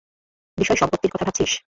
বিষয় সম্পত্তির কথা ভাবছিস?